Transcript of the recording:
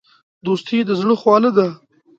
دوستي د زړه خواله ده.